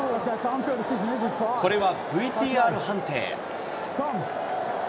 これはＶＴＲ判定。